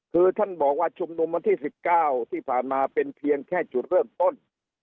คือท่านบอกว่าชุมนุมวันที่๑๙ที่ผ่านมาเป็นเพียงแค่จุดเริ่มต้น